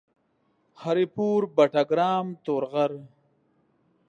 هري پور ، بټګرام ، تورغر